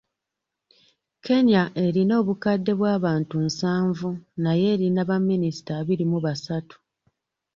Kenya erina obukadde bw’abantu nsanvu naye erina baminisita abiri mu basatu.